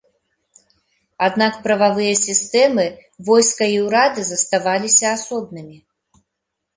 Аднак прававыя сістэмы, войска і ўрады заставаліся асобнымі.